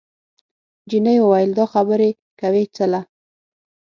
جینۍ وویل دا خبرې کوې څله؟